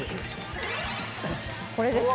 これですね。